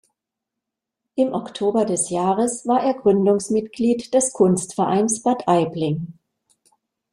Im Oktober des Jahres war er Gründungsmitglied des Kunstvereins Bad Aibling.